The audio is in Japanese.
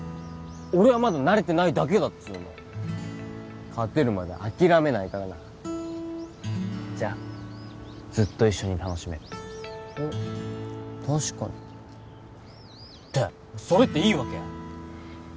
俺はまだ慣れてないだけだっつうの勝てるまで諦めないからなじゃあずっと一緒に楽しめるあっ確かにってそれっていいわけ？